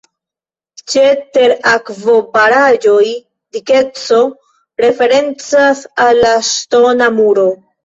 Ĉe ter-akvobaraĵoj, dikeco referencas al la ŝtona muro.